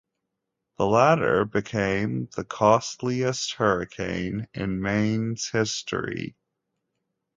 The latter became the costliest hurricane in Maine's history.